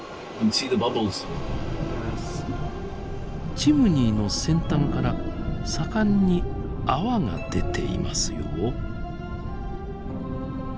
チムニーの先端から盛んに泡が出ていますよ。